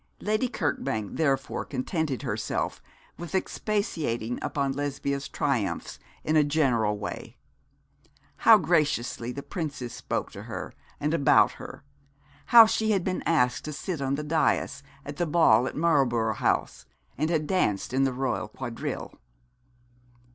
Lady Kirkbank therefore contented herself with expatiating upon Lesbia's triumphs in a general way: how graciously the Princess spoke to her and about her; how she had been asked to sit on the dais at the ball at Marlborough House, and had danced in the Royal quadrille.